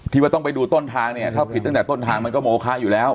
ว่าต้องไปดูต้นทางเนี่ยถ้าผิดตั้งแต่ต้นทางมันก็โมคะอยู่แล้ว